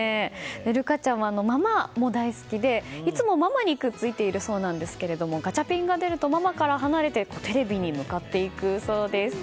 瑠夏ちゃんはママも大好きでいつもママにくっついているそうなんですがガチャピンが出るとママから離れてテレビに向かっていくそうです。